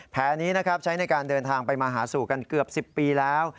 แพ้นี้นะครับใช้ในการเดินทางไปมาหาสู่กันเกือบ๑๐ปีแล้ว